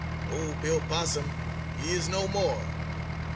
Ol' Bill Possum, he is no more!